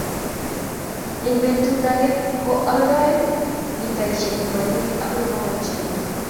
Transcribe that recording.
Eng betut akenge ko oldoo litaishe temanini okoi bokol chego